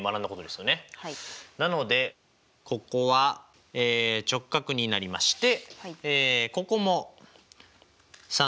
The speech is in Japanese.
なのでここは直角になりましてここも３ｃｍですよね。